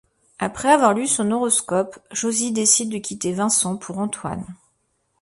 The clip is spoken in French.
Après avoir lu son horoscope, Josy décide de quitter Vincent pour Antoine.